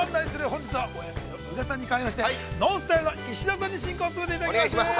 本日は、お休みの宇賀さんに代わりましてＮＯＮＳＴＹＬＥの石田さんに進行を務めていただきます。